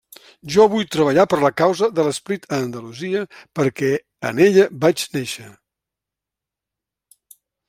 Jo vull treballar per la Causa de l'esperit a Andalusia perquè en ella vaig néixer.